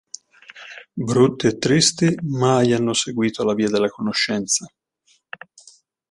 Brutti e tristi, mai hanno seguito la via della conoscenza.